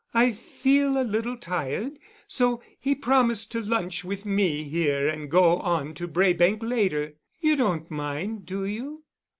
I feel a little tired, so he promised to lunch with me here and go on to Braebank later. You don't mind, do you?"